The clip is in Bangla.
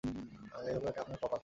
যাইহোক, এটা আপনার কপাল।